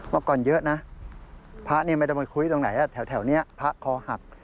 เมื่อก่อนเยอะนะพระนี่ไม่ได้มาคุยตรงไหนแถวนี้พระคอหัก